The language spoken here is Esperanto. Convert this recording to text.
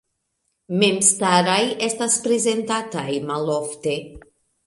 Memstaraj estas prezentataj malofte.